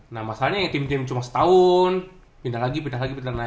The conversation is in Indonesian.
nah masalahnya tim tim cuma setahun pindah lagi pindah lagi pindah lagi